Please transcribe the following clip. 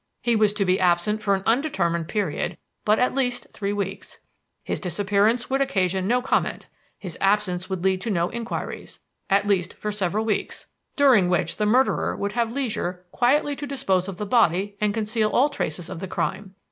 He was to be absent for an undetermined period, but at least three weeks. His disappearance would occasion no comment; his absence would lead to no inquiries, at least for several weeks, during which the murderer would have leisure quietly to dispose of the body and conceal all traces of the crime.